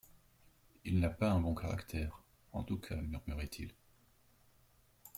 Il n'a pas un bon caractère, en tout cas, murmurait-il.